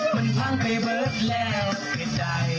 มันพังไปเบิร์ดแล้วใกล้ใด